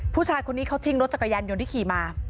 ผู้ชายคนนี้เขาทิ้งรถจักรยานยนต์ที่ขี่มา